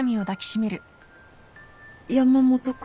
山本君？